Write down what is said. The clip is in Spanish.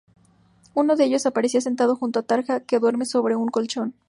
Uno de ellos aparece sentado junto a Tarja que duerme sobre un colchón.